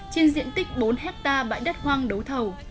trên diện tích bốn hectare bãi đất hoang đấu thầu